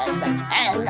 acara jadi ajal karena